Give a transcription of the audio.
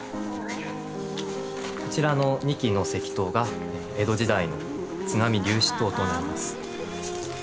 こちらの２基の石塔が江戸時代の津波流死塔となります。